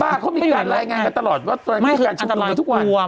บ้าเขามีการไร้งานกันตลอดไม่คืออันตรายกันทุกวัน